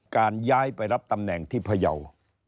การย้ายไปรับตำแหน่งที่พยาว